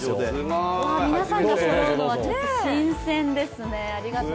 皆さんがそろうのは新鮮ですね。